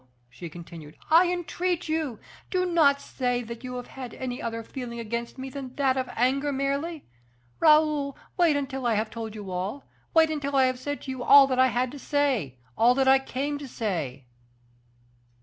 she continued, "I entreat you, do not say that you have had any other feeling against me than that of anger merely. Raoul, wait until I have told you all wait until I have said to you all that I had to say all that I came to say."